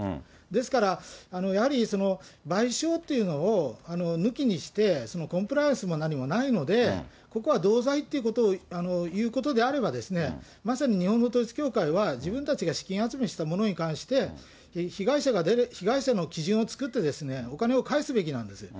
ですから、やはり賠償っていうのを、抜きにして、コンプライアンスも何もないので、ここはどうざいってことをいうことであれば、まさに日本の統一教会は、自分たちが資金集めしたものに関して、被害者の基準を作って、お金を返すべきなんですよ。